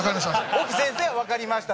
沖先生はわかりました。